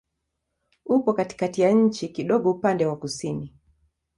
Upo katikati ya nchi, kidogo upande wa kusini.